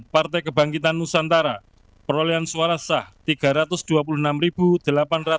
partai kebangkitan nusantara perolehan suara sah rp tiga ratus dua puluh enam delapan ratus